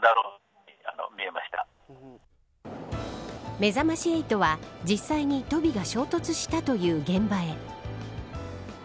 めざまし８は実際にトビが衝突したという現場へ。